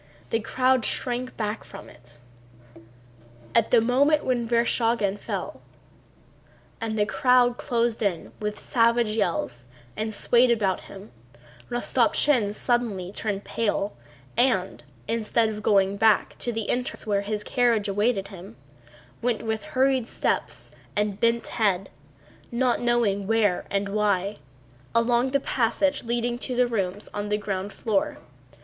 The crowd shrank back from it. At the moment when Vereshchágin fell and the crowd closed in with savage yells and swayed about him, Rostopchín suddenly turned pale and, instead of going to the back entrance where his carriage awaited him, went with hurried steps and bent head, not knowing where and why, along the passage leading to the rooms on the ground floor.